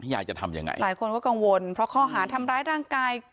ยายจะทำยังไงหลายคนก็กังวลเพราะข้อหาทำร้ายร่างกาย